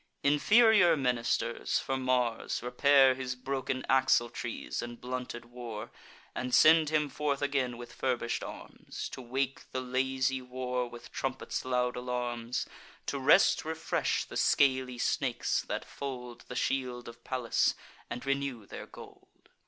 Inferior ministers, for Mars, repair His broken axletrees and blunted war, And send him forth again with furbish'd arms, To wake the lazy war with trumpets' loud alarms. The rest refresh the scaly snakes that fold The shield of Pallas, and renew their gold.